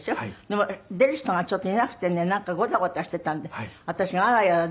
でも出る人がちょっといなくてねなんかゴタゴタしていたんで私が「あらやだ」